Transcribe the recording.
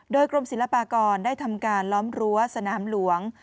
โดยกรมศิลปากรได้ทำการล้อมรั้วสนามหลวง